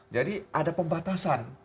jadi ada pembatasan